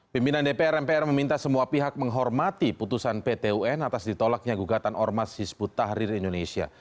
pimpinan dpr mpr meminta semua pihak menghormati putusan pt un atas ditolaknya gugatan ormas hizbut tahrir indonesia